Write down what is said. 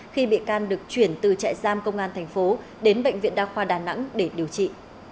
khi bị can được chuyển từ trại giam công an thành phố đến bệnh viện đa khoa đà nẵng để điều trị